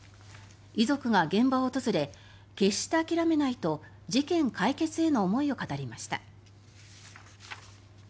遺族が現場を訪れ決して諦めないと事件解決への思いを語りました。